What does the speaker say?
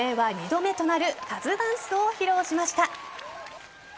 ２度目となるカズダンスを披露しました。